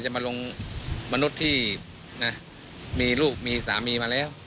จะมาลงมนุษย์ที่นะมีลูกมีสามีมาแล้ว